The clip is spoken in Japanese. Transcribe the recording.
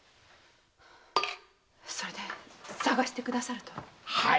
それで捜してくださると？